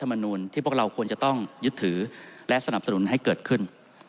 มนูลที่พวกเราควรจะต้องยึดถือและสนับสนุนให้เกิดขึ้น